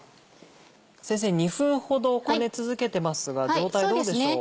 先生２分ほどこね続けてますが状態どうでしょう？